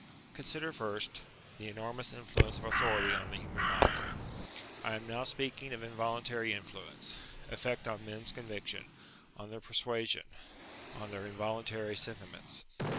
Consider first, the enormous influence of authority on the human mind. I am now speaking of involuntary influence; effect on men's conviction, on their per suasion, on their involuntary sentiments.